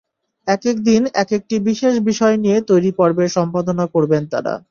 একেক দিন একেকটি বিশেষ বিষয় নিয়ে তৈরি পর্বের সম্পাদনা করবেন তাঁরা।